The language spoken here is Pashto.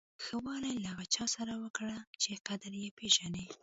ښه والی له هغه چا سره وکړه چې قدر یې پیژني.